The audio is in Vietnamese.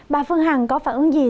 bà phương hằng có phản ứng gì